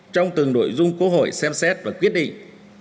trong từng nội dung quốc hội xem xét và quyết định